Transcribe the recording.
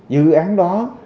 dự án đó